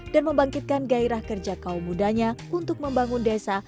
dan membangkitkan gairah kerja kaum mudanya untuk membangun desa